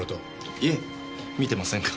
いえ見てませんが。